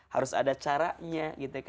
harus ada caranya